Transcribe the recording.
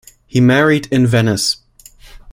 He married in Venice.